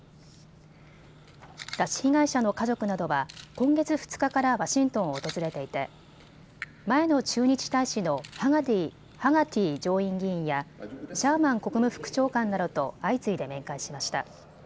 拉致被害者の家族などは今月２日からワシントンを訪れていて前の駐日大使のハガティ上院議員やシャーマン国務副長官などと相次いで面会しました。